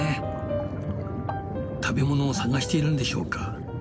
食べ物を探しているんでしょうか。